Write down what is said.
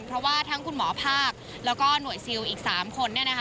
เพราะว่าทั้งคุณหมอภาคแล้วก็หน่วยซิลอีก๓คน